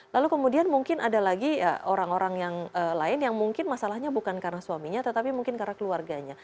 lalu kemudian mungkin ada lagi orang orang yang lain yang mungkin masalahnya bukan karena suaminya tetapi mungkin karena keluarganya